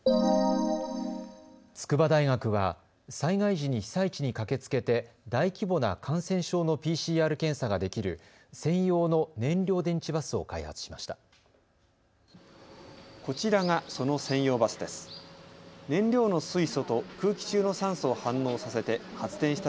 筑波大学は災害時に被災地に駆けつけて大規模な感染症のＰＣＲ検査ができる専用の燃料電池バスを開発しました。